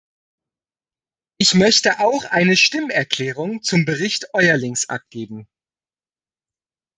Ich möchte auch eine Stimmerklärung zum Bericht Eurlings abgeben.